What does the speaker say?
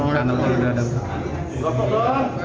kalau udah nonton udah ada kesempatan